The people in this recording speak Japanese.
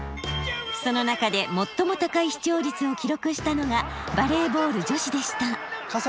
その中で最も高い視聴率を記録したのがバレーボール女子でした。